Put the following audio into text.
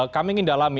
kami ingin dalami